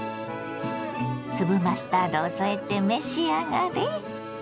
粒マスタードを添えて召し上がれ。